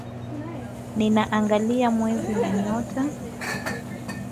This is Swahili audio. Ninaangalia mwezi na nyota